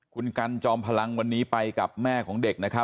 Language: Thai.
คุณกัลจอมพลังวันนี้ไปกับแม่ของเด็ก